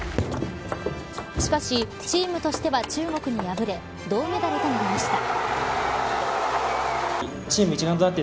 しかしチームとしては中国に敗れ銅メダルとなりました。